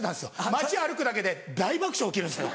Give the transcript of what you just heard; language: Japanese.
街歩くだけで大爆笑起きるんですよ。